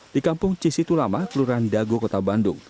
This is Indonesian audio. di kampung cisitulama kelurahan dago kota bandung